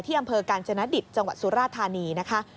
อำเภอกาญจนดิตจังหวัดสุราธานีนะคะ